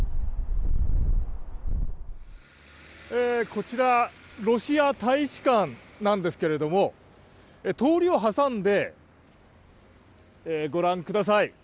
こちら、ロシア大使館なんですけれども、通りを挟んで、ご覧ください。